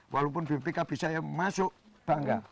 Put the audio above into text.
walaupun bpkb saya masuk bangga